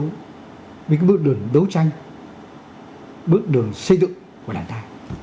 những bước đường đấu tranh bước đường xây dựng của đảng ta